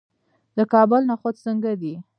د کابل نخود څنګه دي؟